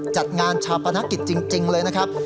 จัดงานชาปนกิจจริงเลยนะครับ